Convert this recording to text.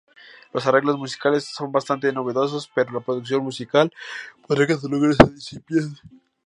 Los arreglos musicales son bastante novedosos pero, la producción musical podría catalogarse de incipiente.